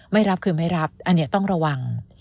ไม่รับคือไม่รับอันนี้ต้องระวัง